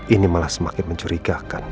ini malah semakin mencurigakan